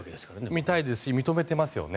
見たいわけですし認めてますよね。